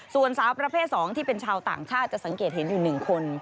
ส่วนสาวประเภท๒ที่เป็นชาวต่างชาติจะสังเกตเห็นอยู่๑คน